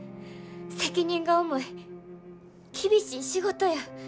責任が重い厳しい仕事や。